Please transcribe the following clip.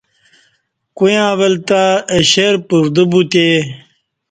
کویاں ول تہ اہ شیر پردہ بتے